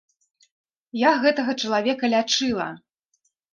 Я гэтага чалавека лячыла.